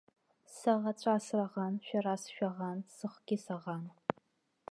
Саӷацәа сраӷан, шәара сшәаӷан, сыхгьы саӷан!